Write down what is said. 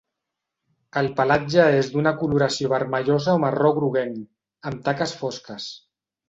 El pelatge és d'una coloració vermellosa o marró groguenc, amb taques fosques.